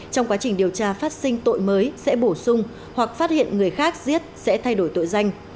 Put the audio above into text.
trong quá trình điều tra phát sinh tội mới sẽ bổ sung hoặc phát hiện người khác giết sẽ thay đổi tội danh